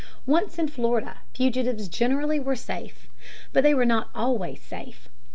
Once in Florida, fugitives generally were safe. But they were not always safe.